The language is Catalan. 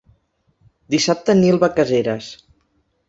Dissabte en Nil va a Caseres.